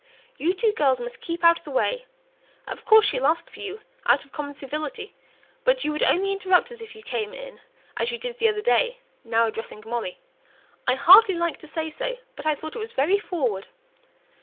You two girls must keep out of the way. Of course she'll ask for you, out of common civility; but you would only interrupt us if you came in, as you did the other day;" now addressing Molly "I hardly like to say so, but I thought it was very forward."